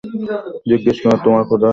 জিজ্ঞেস কর তোমার খোদার কাছে!